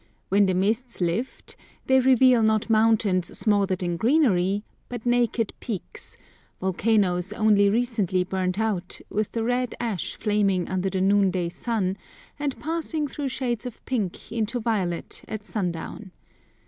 When the mists lift they reveal not mountains smothered in greenery, but naked peaks, volcanoes only recently burnt out, with the red ash flaming under the noonday sun, and passing through shades of pink into violet at sundown.